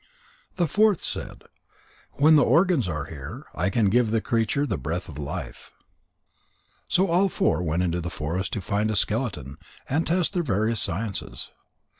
The fourth said: "When the organs are there, I can give the creature the breath of life." So all four went into the forest to find a skeleton and test their various sciences.